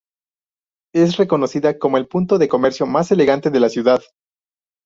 Es reconocida como el punto de comercio más elegante de la ciudad.